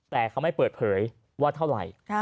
แต่เขาไม่เปิดเผยว่าเท่าไหร่